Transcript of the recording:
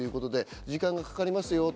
時間がかかりますよと。